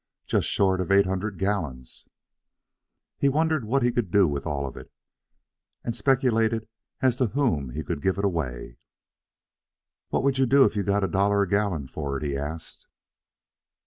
"Just short of eight hundred gallons." He wondered what he could do with all of it, and speculated as to whom he could give it away. "What would you do if you got a dollar a gallon for it?" he asked.